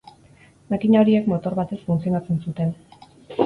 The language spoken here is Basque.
Makina horiek motor batez funtzionatzen zuten.